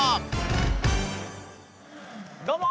どうも！